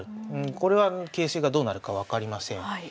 これは形勢がどうなるか分かりません。